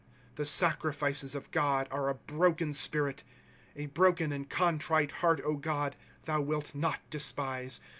w The sacrifices of God are a broken spirit ; A broken and contrite heart, God, thou wilt not despise.